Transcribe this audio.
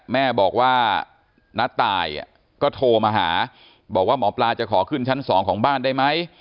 แม่บอกว่าน้าตายก็โทรมาหาบอกว่าหมอปลาจะขอขึ้นชั้น๒ของบ้านได้ไหม